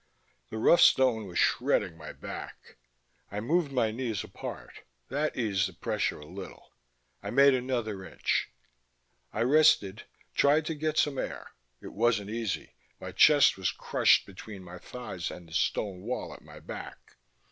The rough stone was shredding my back. I moved my knees apart; that eased the pressure a little. I made another inch. I rested, tried to get some air. It wasn't easy: my chest was crushed between my thighs and the stone wall at my back.